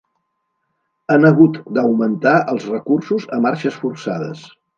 Han hagut d’augmentar els recursos a marxes forçades.